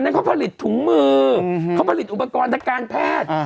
เขาผลิตถุงมือเขาผลิตอุปกรณ์ทางการแพทย์